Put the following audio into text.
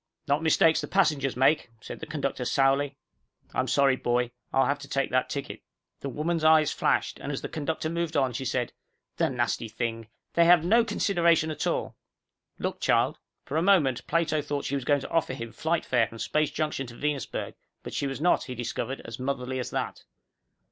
"Not mistakes the passengers make," said the conductor sourly. "I'm sorry, boy, I'll have to take that ticket." The woman's eyes flashed and, as the conductor moved on, she said, "The nasty thing. They have no consideration at all. Look, child." For a moment Plato thought she was going to offer him flight fare from Space Junction to Venusberg, but she was not, he discovered, as motherly as that.